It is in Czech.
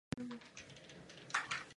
Celou plochu ostrova zaujímá park.